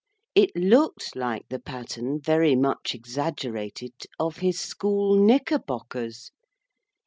It looked like the pattern, very much exaggerated, of his school knickerbockers.